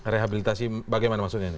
rehabilitasi bagaimana maksudnya